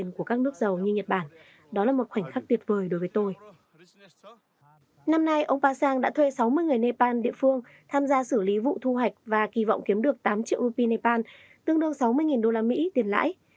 năm nay ông pa sang đã thuê sáu mươi người nepal địa phương tham gia xử lý vụ thu hoạch và kỳ vọng kiếm được tám triệu rupin nepal tương đương sáu mươi usd tiền lãi